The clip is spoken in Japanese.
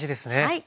はい。